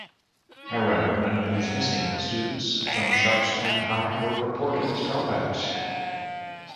However, none of these "missing" students from Sharpstown High were reported as dropouts.